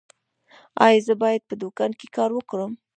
ایا زه باید په دوکان کې کار وکړم؟